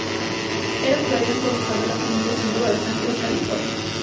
Era todavía joven cuando la familia se mudó a Los Ángeles, California.